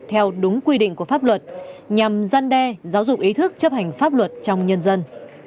theo đúng quy định của pháp luật nhằm gian đe giáo dục ý thức chấp hành pháp luật trong nhân dân